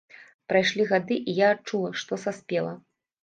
Прайшлі гады, і я адчула, што саспела.